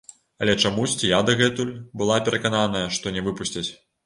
Але чамусьці я дагэтуль была перакананая, што не выпусцяць.